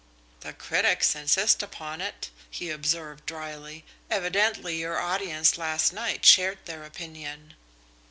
"The critics insist upon it," he observed drily. "Evidently your audience last night shared their opinion."